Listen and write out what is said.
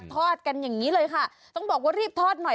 ทอดกันอย่างนี้เลยค่ะต้องบอกว่ารีบทอดหน่อย